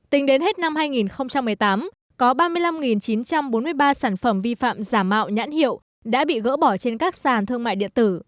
tính đến hết năm hai nghìn một mươi tám có ba mươi năm chín trăm bốn mươi ba sản phẩm vi phạm giả mạo nhãn hiệu đã bị gỡ bỏ trên các sàn thương mại điện tử